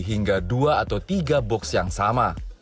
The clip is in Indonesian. hingga dua atau tiga box yang sama